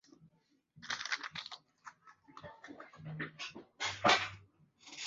Nyama ya nguruwe ni nyama inayopatikana kutoka kwa nguruwe.